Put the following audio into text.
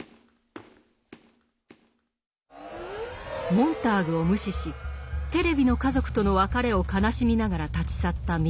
モンターグを無視しテレビの「家族」との別れを悲しみながら立ち去ったミルドレッド。